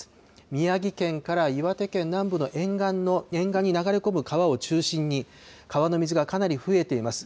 宮城県から岩手県南部の沿岸に流れ込む川を中心に川の水がかなり増えています。